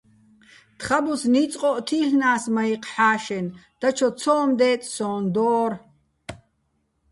თხაბუს ნიწყო́ჸ თი́ლ'ნა́ს მაჲჴი̆ ჰ̦ა́შენ, დაჩო ცო́მ დეწსოჼ დო́რ.